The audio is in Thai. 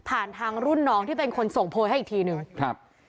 ทางรุ่นน้องที่เป็นคนส่งโพยให้อีกทีหนึ่งครับ